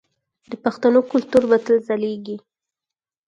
د پښتنو کلتور به تل ځلیږي.